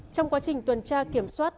trong quá trình tuần tra kiểm soát